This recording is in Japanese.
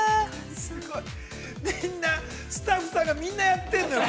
◆みんな、スタッフさんがみんなやってんのよ。